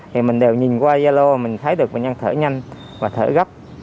thì mình đều nhìn qua gia lô mình thấy được bệnh nhân thở nhanh và thở gấp